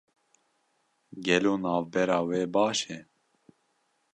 Gelo navbera we baş e?